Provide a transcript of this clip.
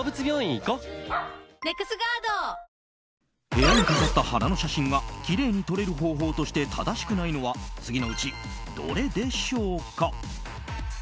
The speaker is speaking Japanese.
部屋に飾った花の写真がきれいに撮れる方法として正しくないのは次のうちどれでしょうか？